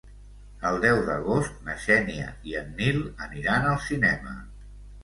El deu d'agost na Xènia i en Nil aniran al cinema.